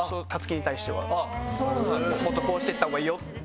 もっとこうしていったほうがいいよっていう。